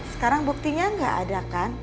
sekarang buktinya nggak ada kan